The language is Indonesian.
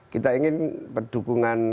kita ingin pendukungan